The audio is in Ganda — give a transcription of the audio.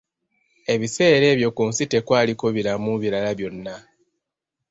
Ebiseera ebyo ku nsi tekwaliko biramu birala byonna